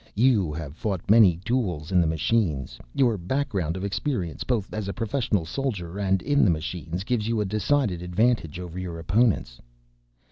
You have fought many duels in the machines. Your background of experience, both as a professional soldier and in the machines, gives you a decided advantage over your opponents.